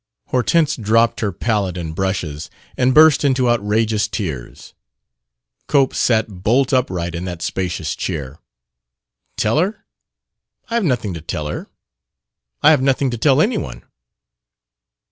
Hortense dropped her palette and brushes and burst into outrageous tears. Cope sat bolt upright in that spacious chair. "Tell her? I have nothing to tell her. I have nothing to tell anyone!"